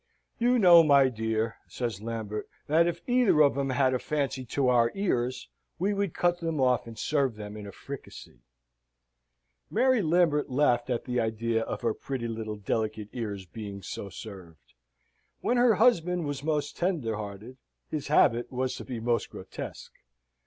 "You know, my dear," says Lambert, "that if either of 'em had a fancy to our ears, we would cut them off and serve them in a fricassee." Mary Lambert laughed at the idea of her pretty little delicate ears being so served. When her husband was most tender hearted, his habit was to be most grotesque.